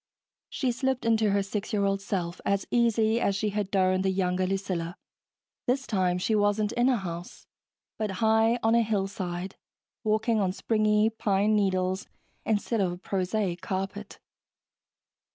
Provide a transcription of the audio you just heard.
She slipped into her six year old self as easily as she had donned the younger Lucilla. This time she wasn't in a house, but high on a hillside, walking on springy pine needles instead of prosaic carpet.